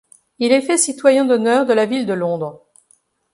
Il est fait citoyen d'honneur de la ville de Londres.